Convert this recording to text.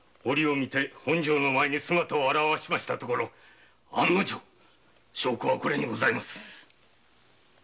本庄の前に姿を現しますと案の定証拠はこれにございます。